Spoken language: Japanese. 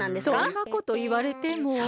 そんなこといわれても。